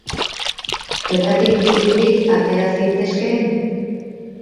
Bertatik bizirik atera zitezkeen?